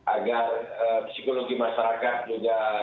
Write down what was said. agar psikologi masyarakat juga